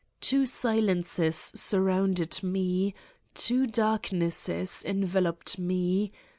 Two silences surrounded Me, two darknesses enveloped me.